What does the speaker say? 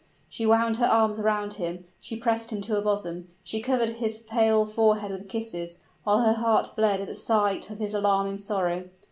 She wound her arms round him she pressed him to her bosom she covered his pale forehead with kisses; while her heart bled at the sight of his alarming sorrow.